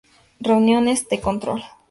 Reuniones de control.